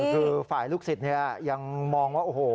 คือฝ่ายลูกศิษย์ยังมองว่าโอ้โห